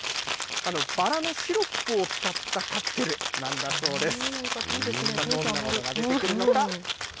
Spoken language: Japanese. バラのシロップを使ったカクテルなんだそうです。